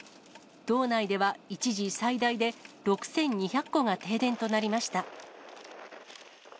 道内では一時、最大で６２００戸が停電となりました。